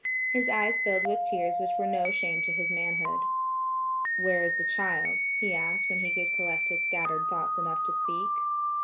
His eyes filled with tears which were no shame to his manhood. "Where is the child?" he asked when he could collect his scattered thoughts enough to speak.